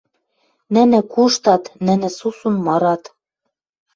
Нӹнӹ куштат, нӹнӹ сусун мырат.